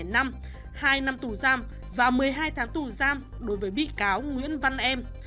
hai năm hai năm tù giam và một mươi hai tháng tù giam đối với bị cáo nguyễn văn em